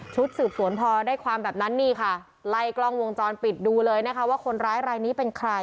สืบสวนพอได้ความแบบนั้นนี่ค่ะไล่กล้องวงจรปิดดูเลยนะคะว่าคนร้ายรายนี้เป็นใคร